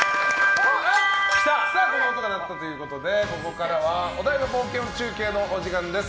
この音が鳴ったということでここからはお台場冒険王中継のお時間です。